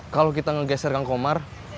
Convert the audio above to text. kalau kita ngegeser kang komar